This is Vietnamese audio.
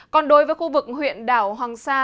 còn đối với khu vực huyện đảo hoàng sa